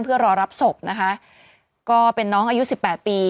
เพื่อรอรับศพนะคะก็เป็นน้องอายุสิบแปดปี